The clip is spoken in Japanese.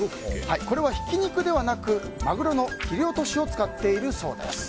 これは、ひき肉ではなくマグロの切り落としを使っているそうです。